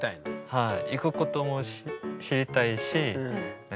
はい。